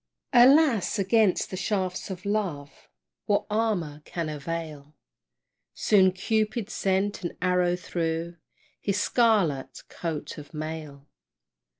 Alas! against the shafts of love, What armor can avail? Soon Cupid sent an arrow through His scarlet coat of mail.